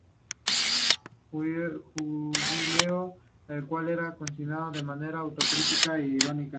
Jubileo, el cual era concebido de manera auto-critica e irónica.